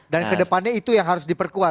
dan ke depannya itu yang harus diperkuat